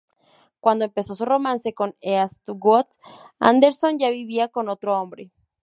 Cuando empezó su romance con Eastwood, Anderson ya vivía con otro hombre.